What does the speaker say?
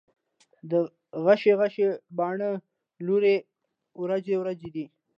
دا غشي غشي باڼه، لورې وروځې دي